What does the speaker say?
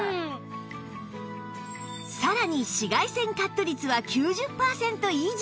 さらに紫外線カット率は９０パーセント以上